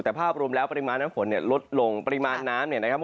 แต่ภาพรวมแล้วปริมาณน้ำฝนเนี่ยลดลงปริมาณน้ำเนี่ยนะครับ